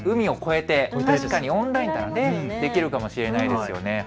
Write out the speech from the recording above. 確かにオンラインならできるかもしれないですよね。